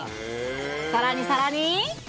さらにさらに。